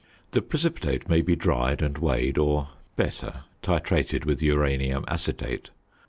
The precipitate may be dried and weighed, or, better, titrated with uranium acetate.